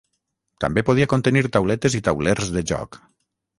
També podia contenir tauletes i taulers de joc.